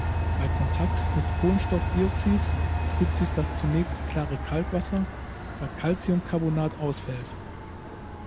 Bei Kontakt mit Kohlenstoffdioxid trübt sich das zunächst klare Kalkwasser, da Calciumcarbonat ausfällt.